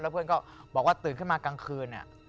แล้วเพื่อนก็บอกว่าตื่นขึ้นมากลางคืน